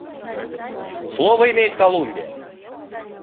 Слово имеет Колумбия.